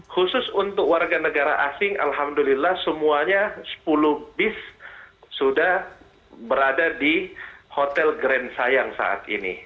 khusus untuk warga negara asing alhamdulillah semuanya sepuluh bis sudah berada di hotel grand sayang saat ini